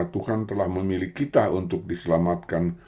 tuhan telah memilih kita untuk diselamatkan